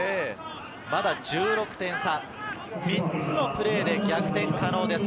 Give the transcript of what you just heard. まだ１６点差、３つのプレーで逆転可能です。